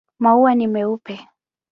Maua ni meupe.